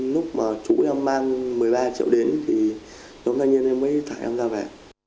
lúc mà chú em mang một mươi ba triệu đến thì đống thanh niên em mới thả em ra về